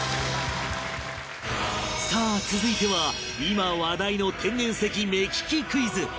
さあ続いては今話題の天然石目利きクイズ